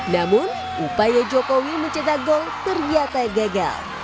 namun upaya jokowi mencetak gol ternyata gagal